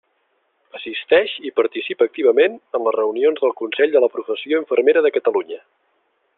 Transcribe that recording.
Assisteix i participa activament en les reunions del Consell de la Professió Infermera de Catalunya.